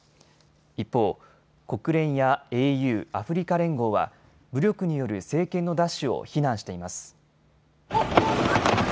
一方、国連やＡＵ・アフリカ連合は武力による政権の奪取を非難しています。